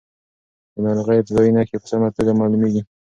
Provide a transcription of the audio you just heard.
د ناروغۍ ابتدايي نښې په سمه توګه معلومېږي.